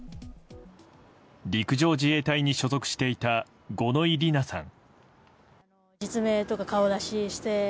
陸上自衛隊に所属していた五ノ井里奈さん。